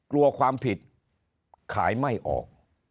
กลัวความผิดขายไม่ออก